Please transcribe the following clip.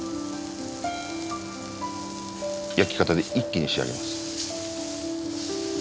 焼き方で一気に仕上げます。